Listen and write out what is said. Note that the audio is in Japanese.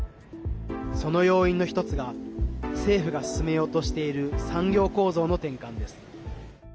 その要因の１つが政府が進めようとしている産業構造の転換です。